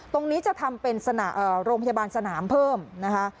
ตรงนี้จะทำเป็นสนามโรงพยาบาลสนามเพิ่มนะคะ